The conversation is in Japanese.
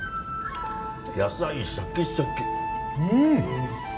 野菜、シャキシャキ。